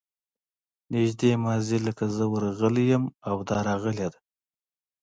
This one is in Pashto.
نږدې ماضي لکه زه ورغلی یم او دا راغلې ده.